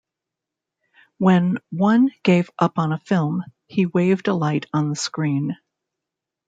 When one gave up on a film, he waved a light on the screen.